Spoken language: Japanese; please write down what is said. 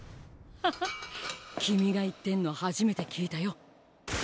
ハハッ君が言ってんの初めて聞いたよ。